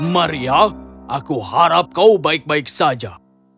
maria aku harap kau baik baik saja